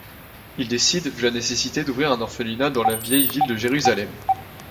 Il décide, vu la nécessité, d'ouvrir un orphelinat dans la vieille ville de Jérusalem.